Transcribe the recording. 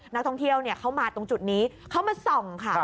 นักท่องเที่ยวเขามาตรงจุดนี้เขามาส่องค่ะ